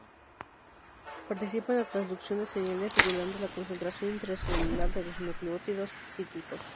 Participa en la transducción de señales regulando la concentración intracelular de los nucleótidos cíclicos.